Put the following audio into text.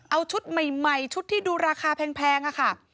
เอาชุดใหม่ชุดที่ดูราคาแพงค่ะ